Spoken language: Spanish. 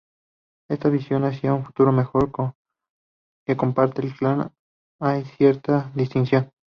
En esta visión hacia un futuro mejor que comparte El Clan, hay cierta distensión.